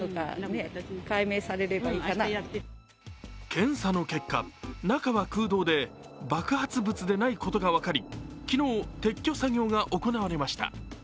検査の結果、中は空洞で爆発物でないことが分かり昨日、撤去作業が行われました。